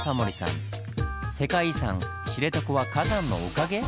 「世界遺産・知床は“火山”のおかげ⁉」。